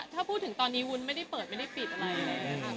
ถ้าพูดถึงตอนนี้วุ้นไม่ได้เปิดไม่ได้ปิดอะไรเลย